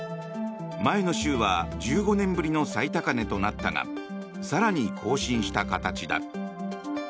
前の週は１５年ぶりの最高値となったが更に更新した形だ。